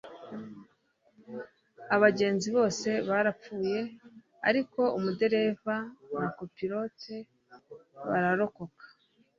abagenzi bose barapfuye, ariko umuderevu na copilot bararokoka